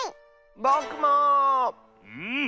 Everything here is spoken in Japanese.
うん。